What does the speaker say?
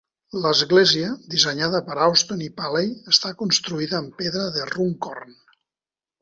L'església, dissenyada per Austin i Paley, està construïda en pedra de Runcorn.